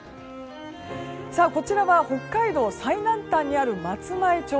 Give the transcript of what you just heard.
こちらは北海道最南端にある松前町。